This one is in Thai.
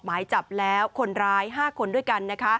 หมายจับแล้วคนร้าย๕คนด้วยกัน